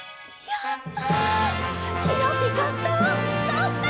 やった！